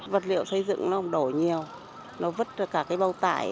vật liệu xây dựng nó đổi nhiều nó vứt cả cái bầu tải